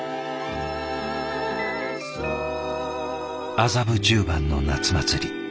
麻布十番の夏祭り。